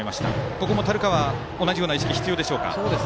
ここも樽川、同じような意識は必要でしょうか。